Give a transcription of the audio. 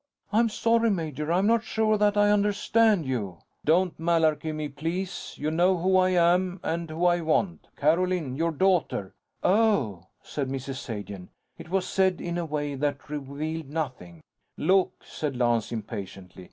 "I'm sorry, major. I'm not sure that I understand you." "Don't malarky me, please. You know who I am and who I want. Carolyn, your daughter." "Oh," said Mrs. Sagen. It was said in a way that revealed nothing. "Look," said Lance, impatiently.